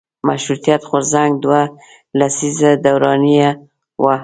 مشروطیت غورځنګ دوه لسیزې دورانیه وه.